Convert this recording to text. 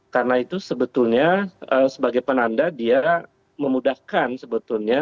karena itu sebetulnya sebagai penanda dia memudahkan sebetulnya